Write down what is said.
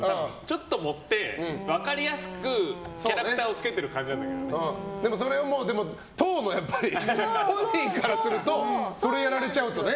ちょっと盛って分かりやすく、キャラクターをでもそれを当の本人からするとそれをやられちゃうとね。